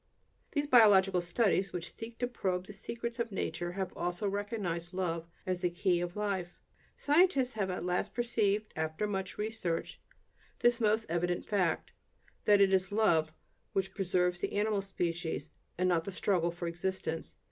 Those biological studies which seek to probe the secrets of nature have also recognized love as the key of life. Scientists have at last perceived, after much research, this most evident fact: that it is love which preserves the animal species, and not the "struggle for existence."